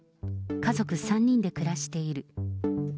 家族３人で暮らしている。